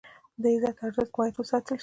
د عزت ارزښت باید وساتل شي.